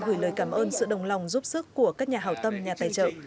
gửi lời cảm ơn sự đồng lòng giúp sức của các nhà hào tâm nhà tài trợ